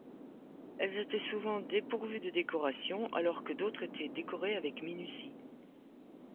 Elles étaient souvent dépourvues de décoration alors que d'autres étaient décorées avec minutie.